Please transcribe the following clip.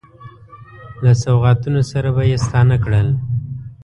له سوغاتونو سره به یې ستانه کړل.